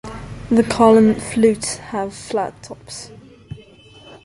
The column flutes have flat tops.